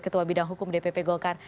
ketua bidang hukum dpp golkar